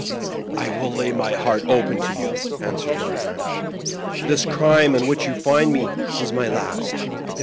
''" I will lay my heart open to you,'' answered Mark heim. ^^ This crime on which you find me is my last.